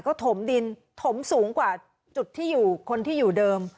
ก็ถมดินถมสูงกว่าจุดที่อยู่คนที่อยู่เดิม